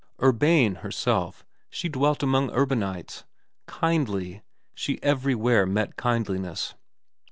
Urbane herself, she dwelt among urbanities ; kindly, she everywhere met kindliness.